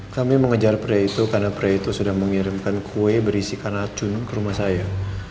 kami mengejar pria itu karena pria itu sudah mengirimkan kue berisikan racun ke rumah saya